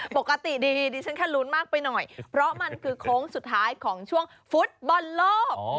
ปกติดีดิฉันแค่ลุ้นมากไปหน่อยเพราะมันคือโค้งสุดท้ายของช่วงฟุตบอลโลก